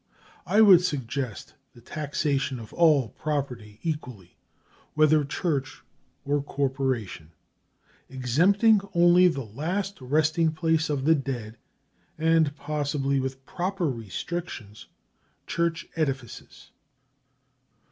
I would suggest the taxation of all property equally, whether church or corporation, exempting only the last resting place of the dead and possibly, with proper restrictions, church edifices.